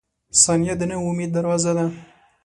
• ثانیه د نوي امید دروازه ده.